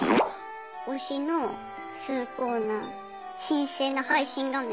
推しの崇高な神聖な配信画面